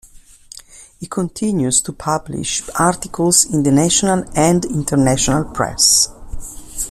He continues to publish articles in the national and international press.